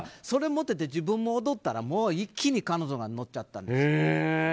それを持ってて自分も踊ったらもう一気に彼女が乗っちゃったんですよ。